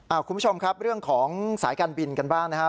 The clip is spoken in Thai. คุณผู้ชมครับเรื่องของสายการบินกันบ้างนะครับ